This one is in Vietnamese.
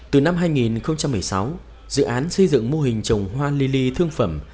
từ năm hai nghìn một mươi sáu dự án xây dựng mô hình trồng hoa li li thương phẩm